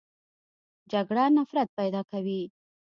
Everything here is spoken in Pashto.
جګړه نفرت پیدا کوي